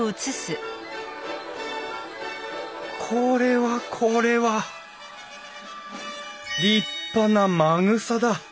これはこれは立派なまぐさだ。